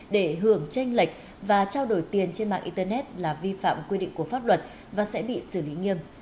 để hưởng tranh lệch và trao đổi tiền trên mạng internet là vi phạm quy định của pháp luật và sẽ bị xử lý nghiêm